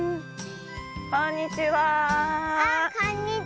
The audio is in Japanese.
こんにちは。